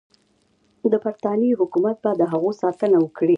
د برټانیې حکومت به د هغوی ساتنه وکړي.